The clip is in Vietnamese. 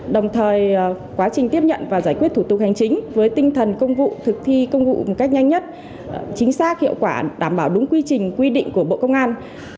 đồng thời quá trình tiếp nhận và giải quyết thủ tục hành chính với tinh thần công vụ thực thi công vụ một cách nhanh nhất chính xác hiệu quả đảm bảo đúng quy trình quy định của bộ công an